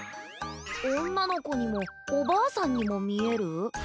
おんなのこにもおばあさんにもみえる？